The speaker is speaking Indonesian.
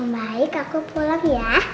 baik aku pulang ya